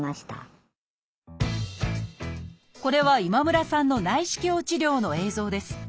これは今村さんの内視鏡治療の映像です。